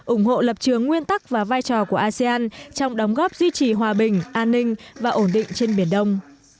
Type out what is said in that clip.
ủng hộ lập trường nguyên tắc và vai trò của asean trong đóng góp duy trì hòa bình an ninh và ổn định trên biển đông